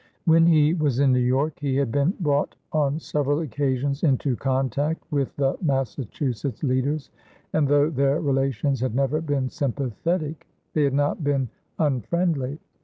When he was in New York, he had been brought on several occasions into contact with the Massachusetts leaders, and though their relations had never been sympathetic, they had not been unfriendly.